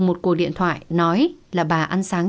một cuộc điện thoại nói là bà ăn sáng